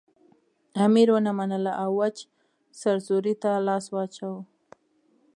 امیر ونه منله او وچ سرزوری ته لاس واچاوه.